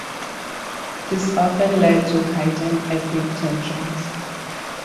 This often led to heightened ethnic tensions.